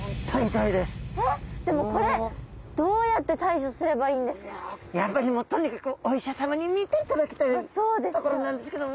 えっでもこれやっぱりもうとにかくお医者さまに診ていただきたいところなんですけども。